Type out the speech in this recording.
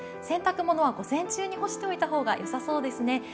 洗濯物は午前中に干しておいたほうがよさそうですね。